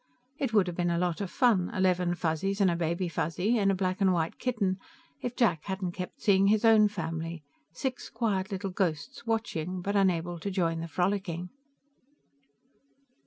It would have been a lot of fun, eleven Fuzzies and a Baby Fuzzy and a black and white kitten, if Jack hadn't kept seeing his own family, six quiet little ghosts watching but unable to join the frolicking.